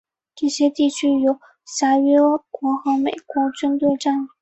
这些地区由协约国和美国军队占领。